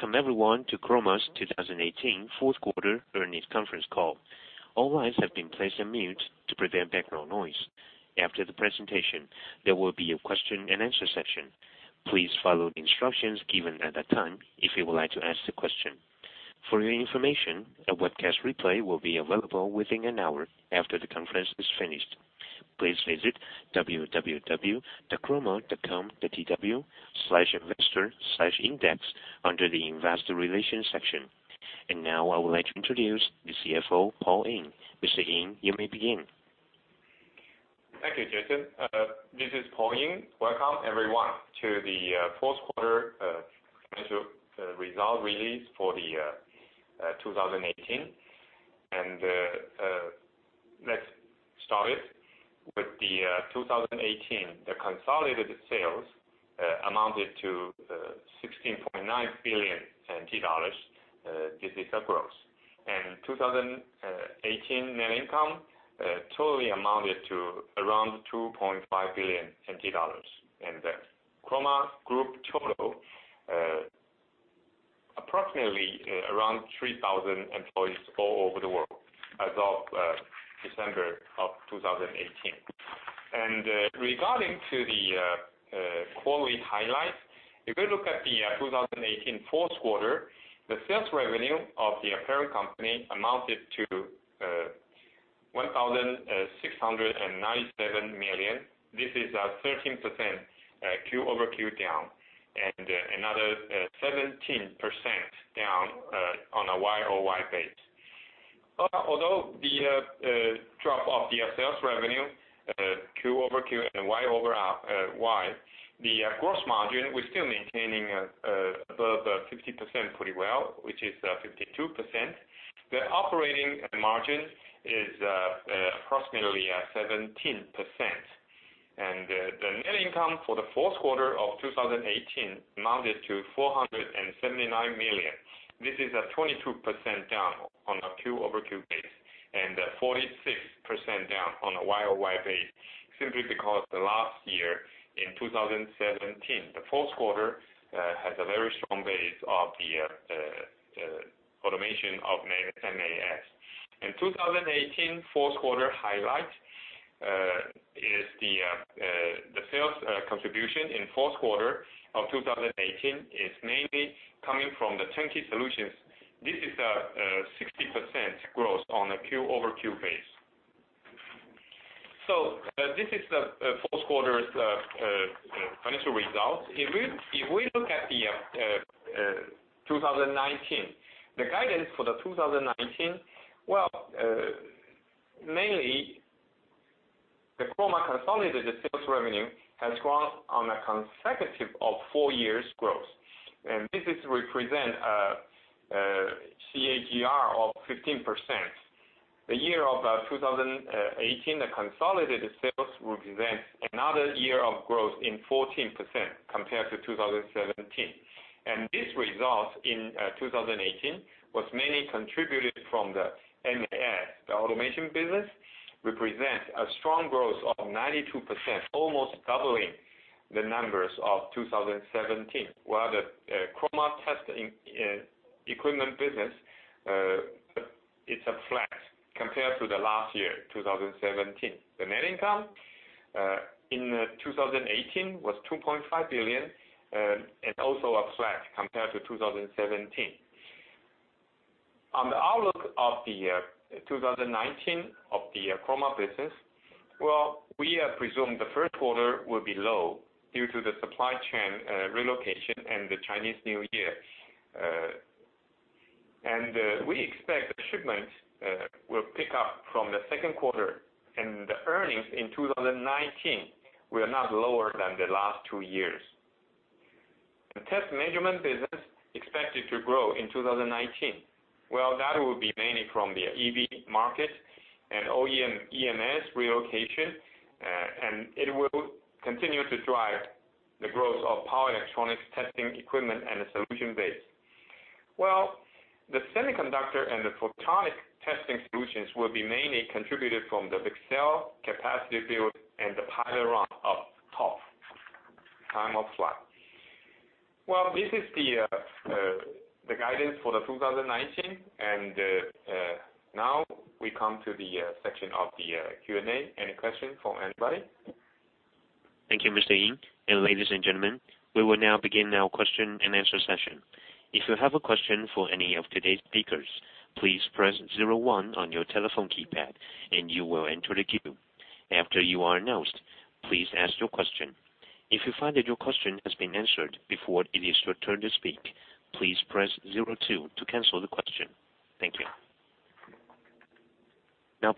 Welcome everyone to Chroma's 2018 fourth quarter earnings conference call. All lines have been placed on mute to prevent background noise. After the presentation, there will be a question and answer session. Please follow the instructions given at that time if you would like to ask the question. For your information, a webcast replay will be available within an hour after the conference is finished. Please visit www.chroma.com.tw/investor/index under the investor relations section. Now I would like to introduce the CFO, Paul Ying. Mr. Ying, you may begin. Thank you, Jason. This is Paul Ying. Welcome everyone to the fourth quarter financial result release for the year 2018. Let's start it with the 2018. The consolidated sales amounted to 16.9 billion NT dollars. This is a growth. 2018 net income totally amounted to around 2.5 billion NT dollars. The Chroma Group total approximately around 3,000 employees all over the world as of December of 2018. Regarding to the quarterly highlights, if we look at the 2018 fourth quarter, the sales revenue of the parent company amounted to 1,697 million. This is a 13% QoQ down, and another 17% down on a YoY base. Although the drop of the sales revenue QoQ and YoY, the gross margin, we're still maintaining above 50% pretty well, which is 52%. The operating margin is approximately 17%. The net income for the fourth quarter of 2018 amounted to 479 million. This is a 22% down on a QoQ base and a 46% down on a YoY base, simply because the last year in 2017, the fourth quarter had a very strong base of the automation of MAS. In 2018, fourth quarter highlight is the sales contribution in fourth quarter of 2018 is mainly coming from the turnkey solutions. This is a 16% growth on a QoQ base. This is the fourth quarter's financial results. If we look at the 2019, the guidance for the 2019, well, mainly the Chroma consolidated sales revenue has grown on a consecutive of four years growth. This represents a CAGR of 15%. The year of 2018, the consolidated sales represents another year of growth in 14% compared to 2017. This result in 2018 was mainly contributed from the MAS. The automation business represents a strong growth of 92%, almost doubling the numbers of 2017. While the Chroma test equipment business, it's flat compared to the last year, 2017. The net income in 2018 was 2.5 billion and also flat compared to 2017. On the outlook of the 2019 of the Chroma business, well, we have presumed the first quarter will be low due to the supply chain relocation and the Chinese New Year. We expect the shipment will pick up from the second quarter, and the earnings in 2019 will not be lower than the last two years. The test measurement business expected to grow in 2019. Well, that will be mainly from the EV market and OEM EMS relocation, and it will continue to drive the growth of power electronics testing equipment and the solution base. Well, the semiconductor and the photonic testing solutions will be mainly contributed from the VCSEL capacity build and the pilot run of TOF, time of flight. Well, this is the guidance for the 2019. Now we come to the section of the Q&A. Any question from anybody? Thank you, Mr. Ying. Ladies and gentlemen, we will now begin our question and answer session. If you have a question for any of today's speakers, please press zero one on your telephone keypad and you will enter the queue. After you are announced, please ask your question. If you find that your question has been answered before it is your turn to speak, please press zero two to cancel the question. Thank you.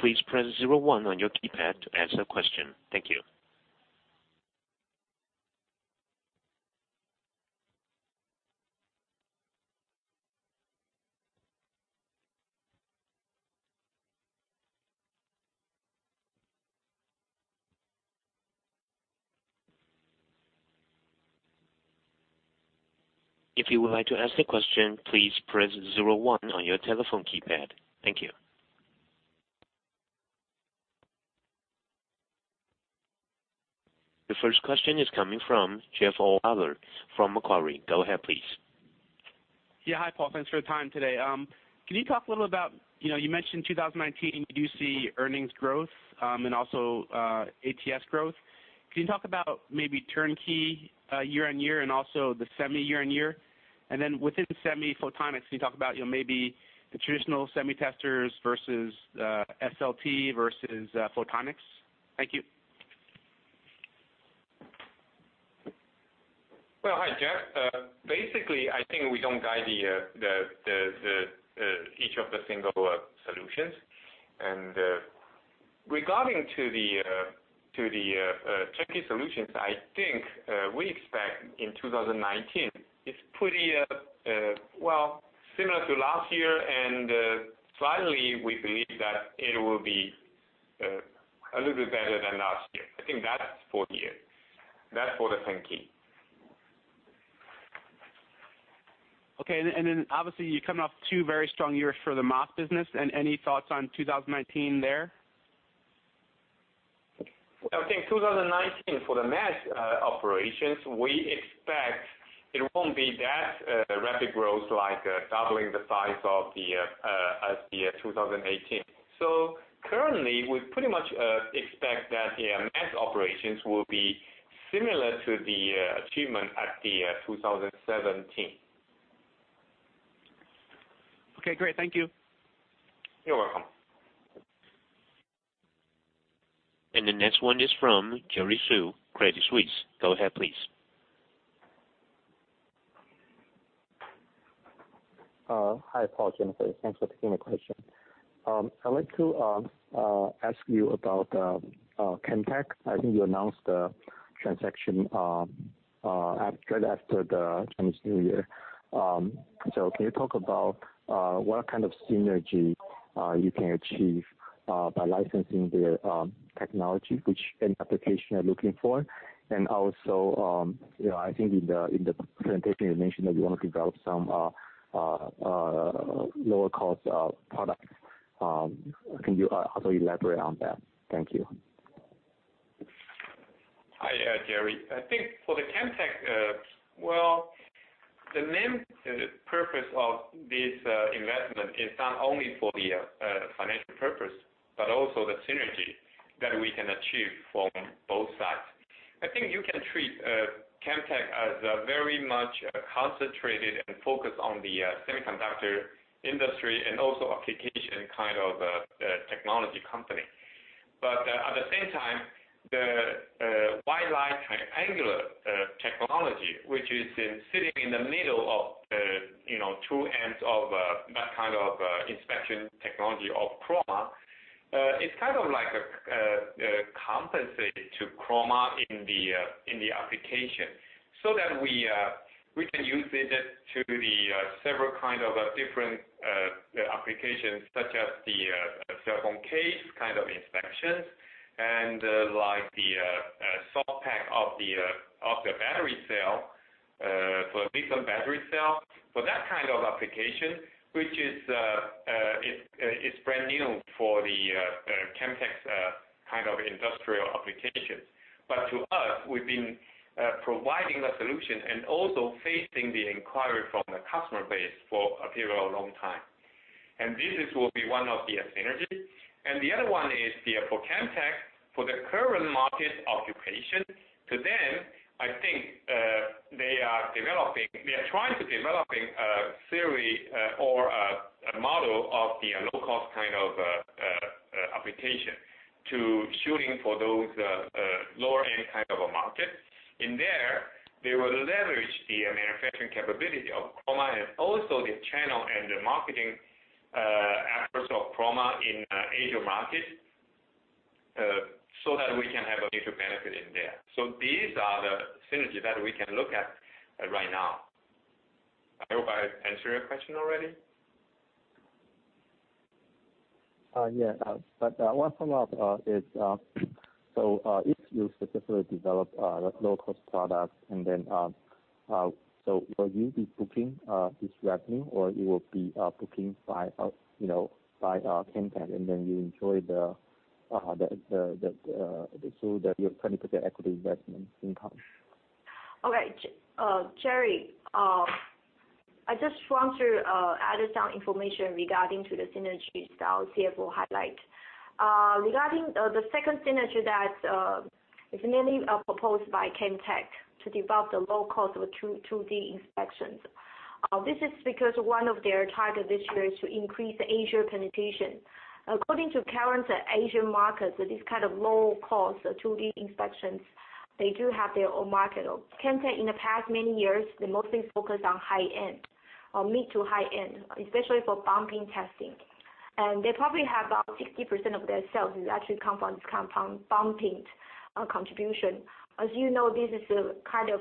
Please press zero one on your keypad to ask a question. Thank you. If you would like to ask the question, please press zero one on your telephone keypad. Thank you. The first question is coming from Jeff O'Halloran from Macquarie. Go ahead, please. Yeah. Hi, Paul. Thanks for the time today. You mentioned 2019, you do see earnings growth, also ATS growth. Can you talk about maybe turnkey year-on-year and also the semi year-on-year? Then within semi photonics, can you talk about maybe the traditional semi testers versus SLT versus photonics? Thank you. Well, hi, Jeff. Basically, I think we don't guide each of the single solutions, regarding to the turnkey solutions, I think we expect in 2019, it's pretty similar to last year, slightly we believe that it will be a little bit better than last year. I think that's for the turnkey. Okay. Then obviously you're coming off two very strong years for the MAS business. Any thoughts on 2019 there? Well, I think 2019 for the MAS operations, we expect it won't be that rapid growth like doubling the size as the 2018. Currently, we pretty much expect that the MAS operations will be similar to the achievement at the 2017. Okay, great. Thank you. You're welcome. The next one is from Jerry Xu, Credit Suisse. Go ahead, please. Hi, Paul, Jennifer, thanks for taking the question. I'd like to ask you about Camtek. I think you announced the transaction right after the Chinese New Year. Can you talk about what kind of synergy you can achieve by licensing their technology? Which end application are you looking for? Also, I think in the presentation, you mentioned that you want to develop some lower cost products. Can you also elaborate on that? Thank you. Hi, Jerry. I think for the Camtek, well, the main purpose of this investment is not only for the financial purpose, but also the synergy that we can achieve from both sides. I think you can treat Camtek as a very much concentrated and focused on the semiconductor industry and also application kind of a technology company. At the same time, the laser triangulation technology, which is sitting in the middle of the two ends of that kind of inspection technology of Chroma, it's kind of like a compensate to Chroma in the application so that we can use it to the several kind of different applications, such as the cell phone case kind of inspections, and like the soft pack of the battery cell, for lithium battery cell. For that kind of application, which is brand new for the Camtek's kind of industrial applications. To us, we've been providing a solution and also facing the inquiry from the customer base for a period of long time. This will be one of the synergies. The other one is for Camtek, for the current market occupation, to them, I think they are trying to develop a theory or a model of the low-cost kind of application to shooting for those lower-end kind of a market. In there, they will leverage the manufacturing capability of Chroma and also the channel and the marketing efforts of Chroma in Asia market, so that we can have a mutual benefit in there. These are the synergies that we can look at right now. I hope I answered your question already. Yeah. One follow-up is, if you specifically develop a low-cost product, will you be booking this revenue, or you will be booking by Camtek, and then you enjoy the 20% equity investment income? Okay. Jerry, I just want to add some information regarding to the synergies that our CFO highlight. Regarding the second synergy that is mainly proposed by Camtek to develop the low cost of 2D inspections. This is because one of their target this year is to increase Asia penetration. According to current Asia markets, this kind of low-cost 2D inspections, they do have their own market. Camtek in the past many years, they mostly focus on high-end or mid to high-end, especially for bumping testing. They probably have about 60% of their sales is actually come from bumping contribution. As you know, this is a kind of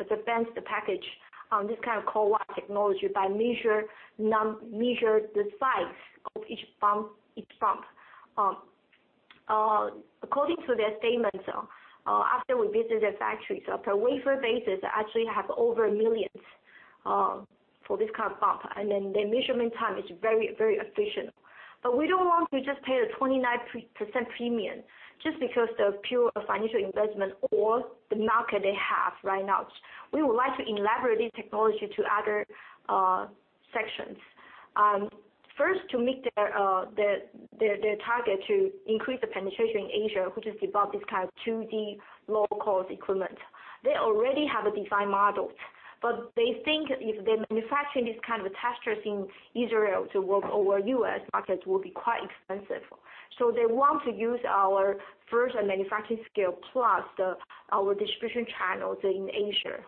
advanced package on this kind of CoWoS technology by measure the size of each bump. According to their statements, after we visit their factories, per wafer basis, actually have over millions for this kind of bump, and then the measurement time is very efficient. We don't want to just pay the 29% premium just because of the pure financial investment or the market they have right now. We would like to elaborate this technology to other sections. First, to meet their target to increase the penetration in Asia, which is about this kind of 2D low-cost equipment. They already have a design model, but they think if they manufacture this kind of testers in Israel to work over U.S. market will be quite expensive. They want to use our first manufacturing scale plus our distribution channels in Asia.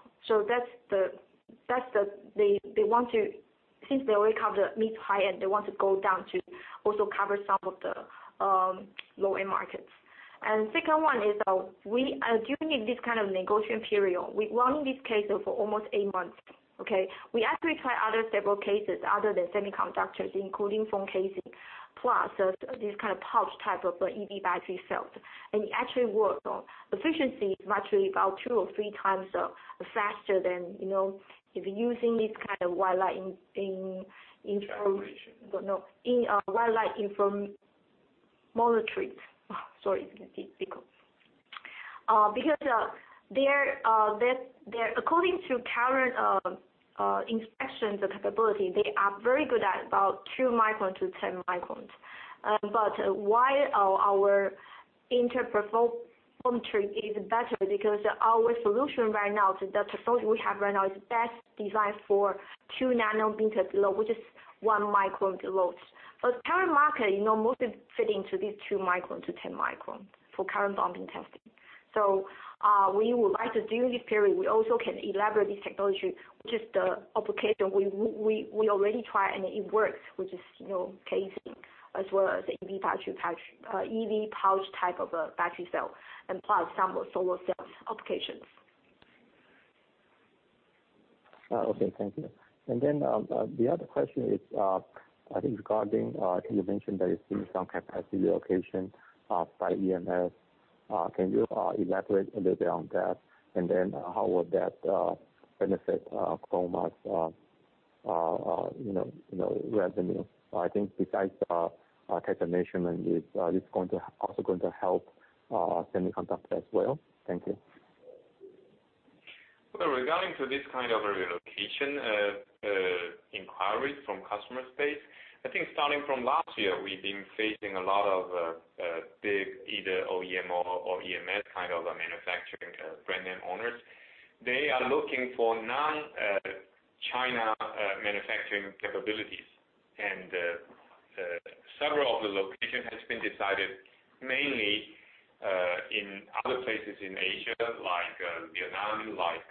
Since they already have the mid-high end, they want to go down to also cover some of the low-end markets. Second one is, during this kind of negotiation period, we run this case for almost eight months. Okay? We actually try other several cases other than semiconductors, including phone casing, plus this kind of pouch type of EV battery cells. It actually works. Efficiency is actually about two or three times faster than if you're using this kind of white light interferometry. Sorry, it's difficult. According to current inspection capability, they are very good at about two micron to 10 microns. Why our interferometry is better because our solution right now, the technology we have right now, is best designed for 2 nm load, which is one micron loads. Current market, most fit into this two micron to 10 micron for current bumping testing. We would like to, during this period, we also can elaborate this technology, which is the application. We already try and it works, which is casing as well as EV pouch type of a battery cell, and plus some of solar cells applications. Okay, thank you. The other question is, I think regarding, you mentioned that you're seeing some capacity relocation by EMS. Can you elaborate a little bit on that? Then how would that benefit Chroma's revenue? I think besides tester measurement, is this also going to help semiconductor as well? Thank you. Regarding to this kind of relocation inquiries from customer space, I think starting from last year, we've been facing a lot of big either OEM or EMS kind of a manufacturing brand name owners. They are looking for non-China manufacturing capabilities. Several of the location has been decided mainly in other places in Asia like Vietnam, like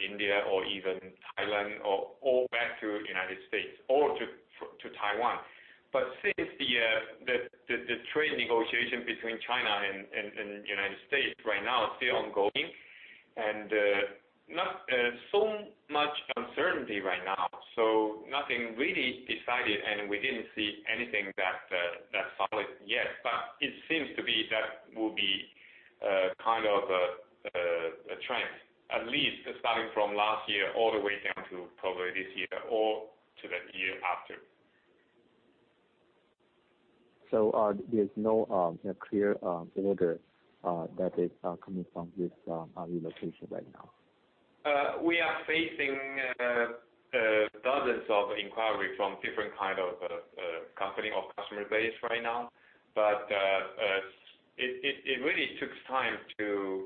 India or even Thailand or back to United States or to Taiwan. Since the trade negotiation between China and United States right now still ongoing, so much uncertainty right now, nothing really is decided, we didn't see anything that solid yet. It seems to be that will be kind of a trend, at least starting from last year all the way down to probably this year or to the year after. There's no clear order that is coming from this relocation right now? We are facing dozens of inquiries from different kind of company or customer base right now. It really takes time to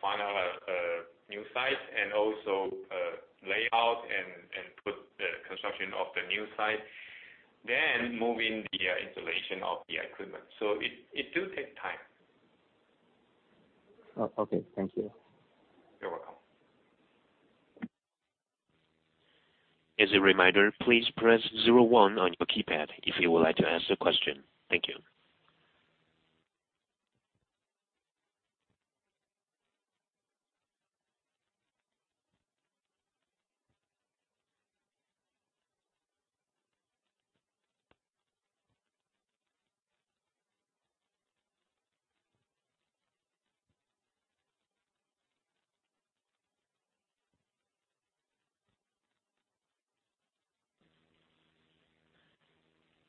find a new site and also layout and put construction of the new site. Move in the installation of the equipment. It does take time. Okay. Thank you. You're welcome. As a reminder, please press zero one on your keypad if you would like to ask a question. Thank you.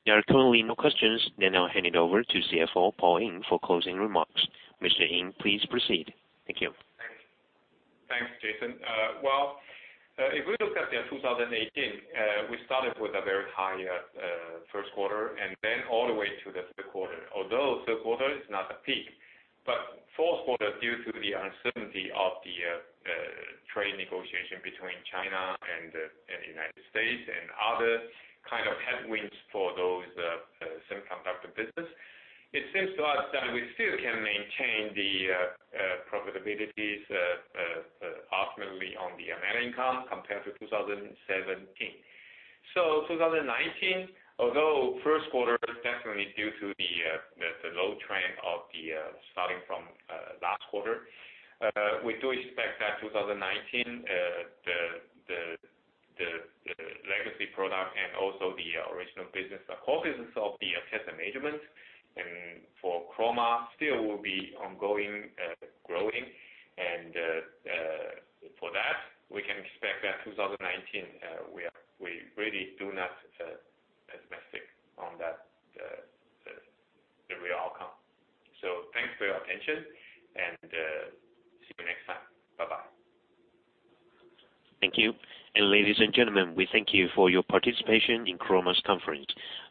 There are currently no questions. I'll hand it over to CFO Paul Ying for closing remarks. Mr. Ying, please proceed. Thank you. Thanks, Jason. If we look at 2018, we started with a very high first quarter and then all the way to the third quarter. Although third quarter is not a peak, fourth quarter, due to the uncertainty of the trade negotiation between China and the U.S. and other kind of headwinds for those semiconductor business, it seems to us that we still can maintain the profitabilities, optimally on the net income, compared to 2017. 2019, although first quarter is definitely due to the low trend starting from last quarter, we do expect that 2019, the legacy product and also the original business, the core business of the test measurement and for Chroma, still will be ongoing, growing. For that, we can expect that 2019, we really do not pessimistic on that, the real outcome. Thanks for your attention and see you next time. Bye-bye. Thank you. Ladies and gentlemen, we thank you for your participation in Chroma's conference.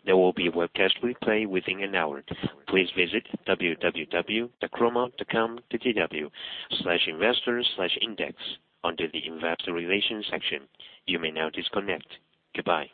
There will be a webcast replay within an hour. Please visit www.chroma.com.tw/investor/index under the investor relations section. You may now disconnect. Goodbye.